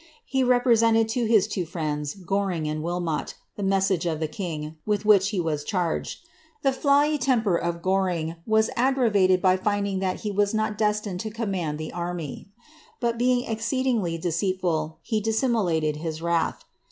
He represented to his two friends. Goring and Wilmot, the message of the king, with which he was chai^ged. The flawy temper of Goring was aggravated by finding that he was not destined to command the army ; but, being exceedingly deceitful, he dissimulated his wrath.